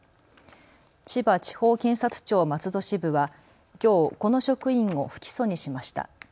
千葉地方検察庁松戸支部はきょうこの職員を不起訴にしました。